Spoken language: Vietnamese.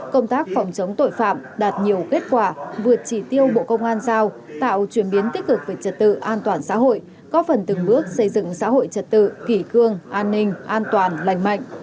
công tác phòng chống tội phạm đạt nhiều kết quả vượt chỉ tiêu bộ công an giao tạo chuyển biến tích cực về trật tự an toàn xã hội có phần từng bước xây dựng xã hội trật tự kỷ cương an ninh an toàn lành mạnh